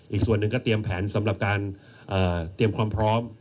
อีกส่วนหนึ่งก็เตรียมแผนสำหรับการเตรียมความพร้อม